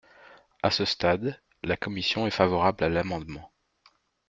À ce stade, la commission est favorable à l’amendement.